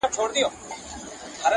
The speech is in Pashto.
کرۍ ورځ ګرځي د کلیو پر مردارو٫